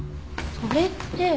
それって。